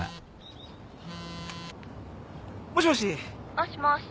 もしもし。